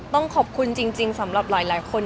ต้องขอบคุณจริงสำหรับหลายคน